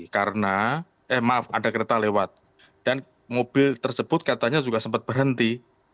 karena eh maaf ada kereta lewat dan mobil tersebut katanya juga sempat berhenti